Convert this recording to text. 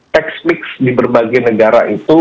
text mix di berbagai negara itu